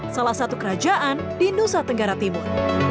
salah satu kerajaan di nusa tenggara timur